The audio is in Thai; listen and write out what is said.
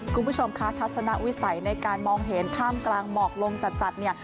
คุณผู้ชมคะทัศนวิสัยในการมองเห็นท่ามกลางหมอกลงจัดเนี่ย